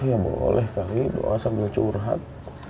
ya boleh kali doa sambil curhat